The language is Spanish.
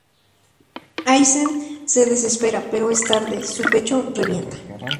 Aizen se desespera, pero es tarde, su pecho revienta.